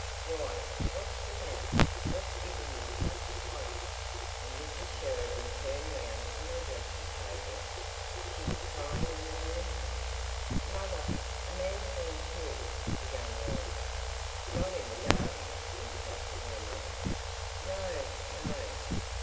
Why, what's the matter? What's given you such a colour?" And Mrs. Sheridan turned round from her dressing table. She was trying on a new hat. "Mother, a man's been killed," began Laura. "Not in the garden?" interrupted her mother. "No, no!"